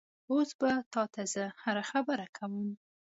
اوس به تا ته زه هره خبره کومه؟